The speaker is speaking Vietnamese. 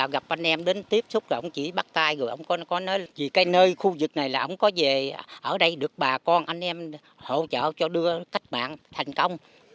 gặp anh em đến tiếp xúc rồi ông chỉ bắt tay rồi ông có nói vì cái nơi khu vực này là ông có về ở đây được bà con anh em hỗ trợ cho đưa cách mạng thành công